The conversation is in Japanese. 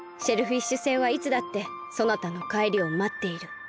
シェルフィッシュ星はいつだってそなたのかえりをまっている。